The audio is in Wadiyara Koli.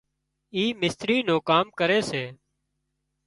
اي مستري نُون ڪام ڪري سي